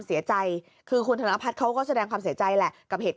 เสียใจคือคุณธนพัฒน์เขาก็แสดงความเสียใจแหละกับเหตุ